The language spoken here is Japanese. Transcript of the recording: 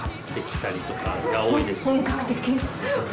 本格的。